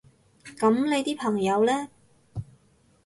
噉你啲朋友呢？